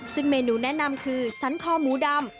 ซึ่งเมนูแนะนำคือสันคอหมูดำ